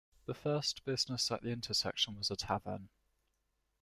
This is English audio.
The first business at the intersection was a tavern.